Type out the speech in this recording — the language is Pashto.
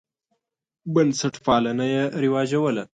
بنسټپالنه یې رواجوله.